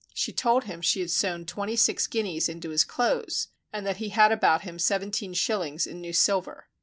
She told him she had sewn twenty six guineas into his clothes, and that he had about him seventeen shillings in new silver.